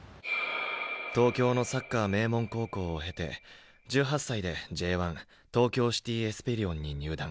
東京のサッカー名門高校を経て１８歳でＪ１東京シティ・エスペリオンに入団。